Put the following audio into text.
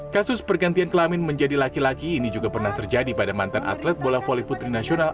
kasus pergantian kelamin menjadi laki laki ini juga pernah terjadi pada mantan atlet bola voli putri nasional